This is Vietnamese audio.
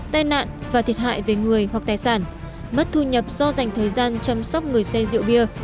tai nạn và thiệt hại về người hoặc tài sản mất thu nhập do dành thời gian chăm sóc người xe rượu bia